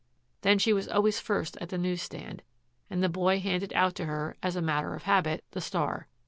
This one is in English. Then she was always first at the news stand, and the boy handed out to her, as a matter of habit, the STAR.